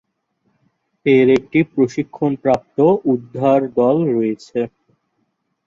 এর একটি প্রশিক্ষণপ্রাপ্ত উদ্ধার দল রয়েছে।